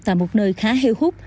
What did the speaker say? tại một nơi khá hêu hút